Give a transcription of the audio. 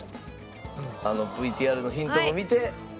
あのＶＴＲのヒントも見て。